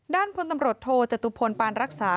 ด้านพลตำรวจโทจตุพลปานรักษา